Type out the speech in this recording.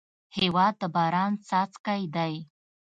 هېواد د باران څاڅکی دی.